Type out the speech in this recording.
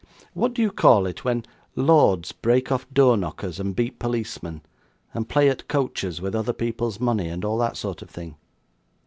'What do you call it, when Lords break off door knockers and beat policemen, and play at coaches with other people's money, and all that sort of thing?